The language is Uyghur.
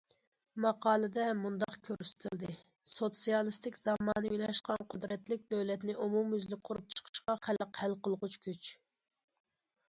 ماقالىدە مۇنداق كۆرسىتىلدى: سوتسىيالىستىك زامانىۋىلاشقان قۇدرەتلىك دۆلەتنى ئومۇميۈزلۈك قۇرۇپ چىقىشتا خەلق ھەل قىلغۇچ كۈچ.